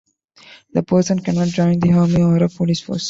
The person cannot join the army or a police force.